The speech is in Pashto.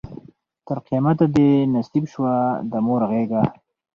تر قیامته دي نصیب سوه د مور غیږه